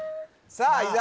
さあ伊沢